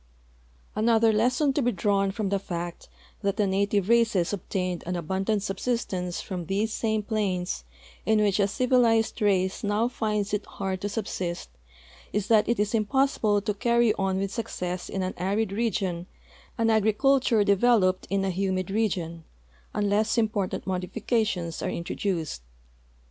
Another lesson to be drawn from the fact that the native races obtained an abundant subsistence from these same plains in which a civilized race now finds it 'hard to subsist is that it is impossible to carry on Avith success in an arid region an agri culture developed in a humid region, unless important modifica tions are introduced.